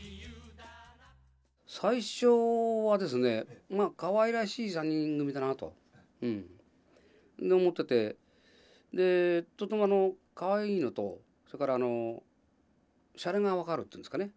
最初はですねかわいらしい３人組だなと思っててとてもかわいいのとそれからしゃれが分かるっていうんですかね